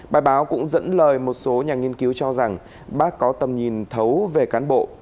bài báo cũng dẫn lời một số nhà nghiên cứu cho rằng bác có tầm nhìn thấu về cán bộ